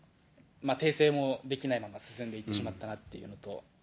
訂正もできないまま進んでいってしまったなっていうのと。